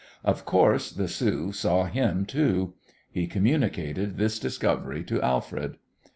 Of course, the Sioux saw him, too. He communicated this discovery to Alfred.